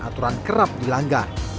aturan kerap dilanggar